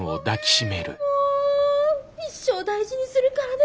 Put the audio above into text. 一生大事にするからね。